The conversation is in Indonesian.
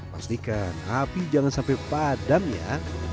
pastikan api jangan sampai padam ya